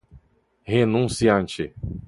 renunciante